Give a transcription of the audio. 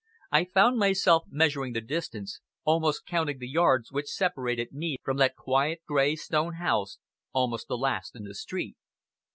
I found myself measuring the distance, almost counting the yards which separated me from that quiet, grey stone house, almost the last in the street.